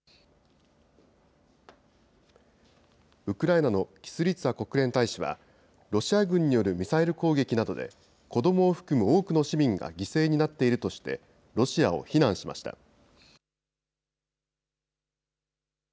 ウクライナのキスリツァ国連大使は、ロシア軍によるミサイル攻撃などで、子どもを含む多くの市民が犠牲になっているとして、ロシアを非難しました。